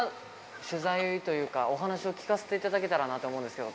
取材というか、お話を聞かせていただけたらなと思うんですけど。